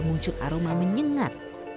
muncul aroma menyengat